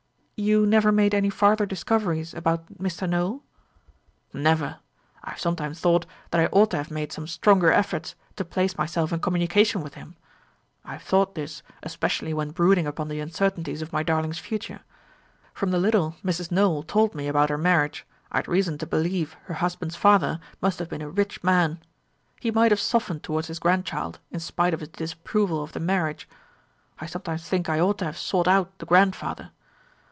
"You never made any farther discoveries about Mr. Nowell?" "Never. I have sometimes thought, that I ought to have made some stronger efforts to place myself in communication with him. I have thought this, especially when brooding upon the uncertainties of my darling's future. From the little Mrs. Nowell told me about her marriage, I had reason to believe her husband's father must have been a rich man. He might have softened towards his grandchild, in spite of his disapproval of the marriage. I sometimes think I ought to have sought out the grandfather.